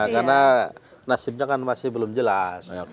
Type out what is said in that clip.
karena nasibnya kan masih belum jelas